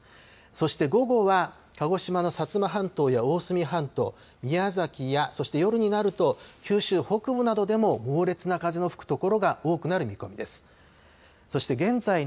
そして午後は鹿児島の薩摩半島や大隅半島宮崎や、そして夜になると九州北部などでも猛烈な風の吹くところが多くなる見込みです。